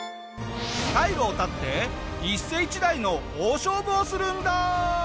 退路を断って一世一代の大勝負をするんだ！